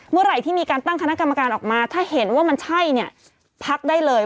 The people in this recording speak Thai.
เมื่อไหร่ที่มีการตั้งคณะกรรมการออกมาถ้าเห็นว่ามันใช่เนี่ยพักได้เลย